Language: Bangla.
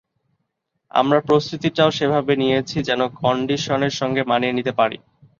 আমরা প্রস্তুতিটাও সেভাবে নিয়েছি, যেন কন্ডিশনের সঙ্গে মানিয়ে নিতে পারি।